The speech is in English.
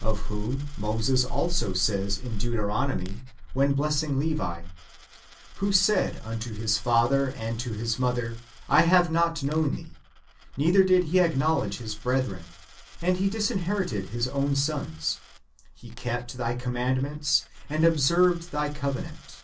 Of whom Moses also says in Deuteronomy, when blessing Levi, " Who said unto his father and to his mother, I have not known thee; neither did he acknowledge his brethren, and he disinherited his own sons : he kept Thy commandments, and observed Thy covenant."